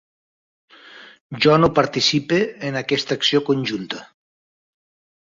Jo no participe en aquesta acció conjunta.